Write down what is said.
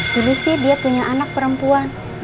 dulu sih dia punya anak perempuan